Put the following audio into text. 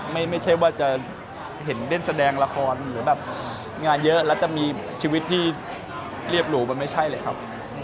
ไม่ใช่ว่าจะเห็นเล่นแสดงละครหรือแบบงานเยอะแล้วจะมีชีวิตที่เรียบหรูมันไม่ใช่เลยครับ